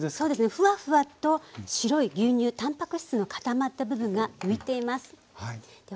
ふわふわと白い牛乳タンパク質の固まった部分が浮いています。